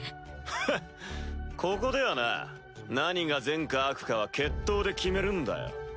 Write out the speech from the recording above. ここではな何が善か悪かは決闘で決めるんだよ。